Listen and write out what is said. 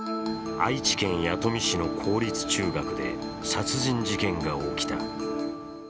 愛知県弥富市の公立中学で殺人事件が起きた。